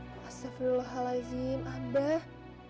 masya allah abah